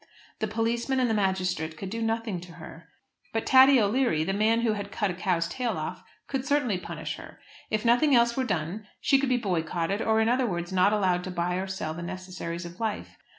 The policeman and the magistrate could do nothing to her. But Thady O'Leary, the man who had cut a cow's tail off, could certainly punish her. If nothing else were done she could be boycotted, or, in other words, not allowed to buy or sell the necessaries of life.